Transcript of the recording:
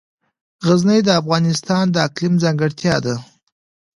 غزني د افغانستان د اقلیم ځانګړتیا ده.